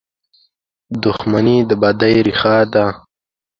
• دښمني د بدۍ ریښه ده.